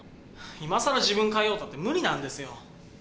今更自分変えようったって無理なんですよ。